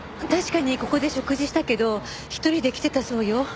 確かにここで食事したけど一人で来てたそうよ。